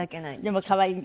でも可愛い。